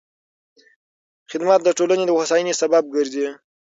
خدمت د ټولنې د هوساینې سبب ګرځي.